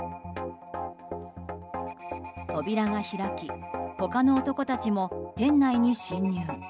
扉が開き他の男たちも店内に侵入。